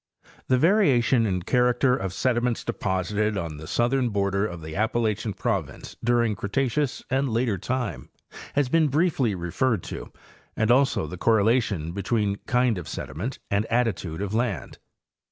The variation in character of sediments deposited on the southern border of the Appalachian province during Cretaceous and later time has been briefly referred to, and also the correla tion between kind of sediment and attitude of land.